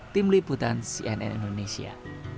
tim liputan cnn indonesia